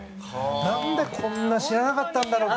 何でこんなに知らなかったんだろう。